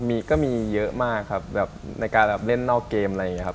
มีก็มีเยอะมากครับแบบในการแบบเล่นนอกเกมอะไรอย่างนี้ครับ